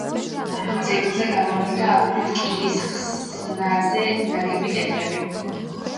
ძეგლზე გამოვლინდა აგურით კირის ხსნარზე ნაგები კედლები.